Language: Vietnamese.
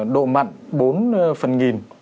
độ mặn bốn phần nghìn